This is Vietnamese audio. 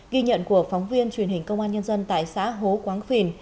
ghi nhận của phóng viên truyền hình công an nhân dân tại xã hố quán phìn